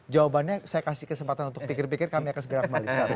jawabannya saya kasih kesempatan untuk pikir pikir kami akan segera kembali